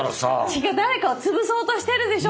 違う誰かを潰そうとしてるでしょ！